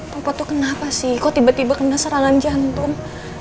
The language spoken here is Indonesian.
papa tuh kenapa sih kok tiba tiba kena serangan jantung